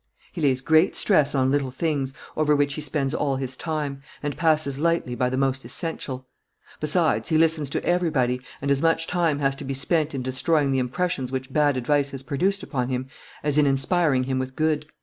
He lays great stress on little things, over which he spends all his time, and passes lightly by the most essential. Besides, he listens to everybody, and as much time has to be spent in destroying the impressions which bad advice has produced upon him as in inspiring him with good.